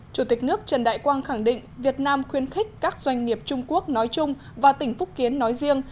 chủ tịch nước trần đại quang khẳng định việt nam khuyên khích các doanh nghiệp trung quốc nói chung và tỉnh phúc kiến nói riêng